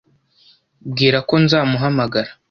Bwira ko nzamuhamagara.